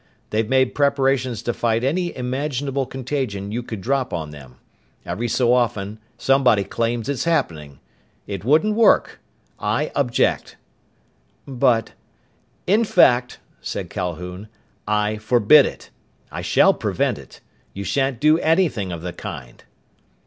They've made preparations to fight any imaginable contagion you could drop on them. Every so often somebody claims it's happening. It wouldn't work. I object!" "But " "In fact," said Calhoun, "I forbid it. I shall prevent it. You shan't do anything of the kind."